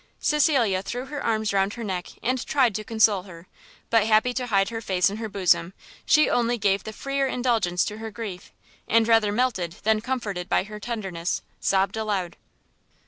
Cecilia threw her arms round her neck, and tried to console her; but, happy to hide her face in her bosom, she only gave the freer indulgence to her grief, and rather melted than comforted by her tenderness, sobbed aloud.